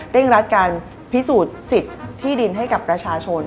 รัดการพิสูจน์สิทธิ์ที่ดินให้กับประชาชน